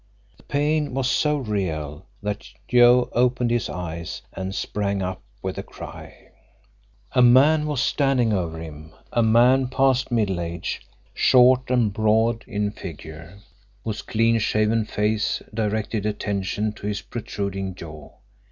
The pain was so real that Joe opened his eyes and sprang up with a cry. A man was standing over him, a man past middle age, short and broad in figure, whose clean shaven face directed attention to his protruding jaw.